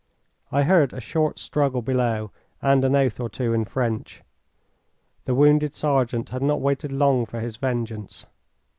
I heard a short struggle below and an oath or two in French. The wounded sergeant had not waited long for his vengeance.